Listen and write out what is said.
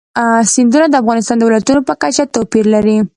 سیندونه د افغانستان د ولایاتو په کچه توپیر لري.